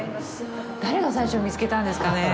誰が最初見つけたんですかね。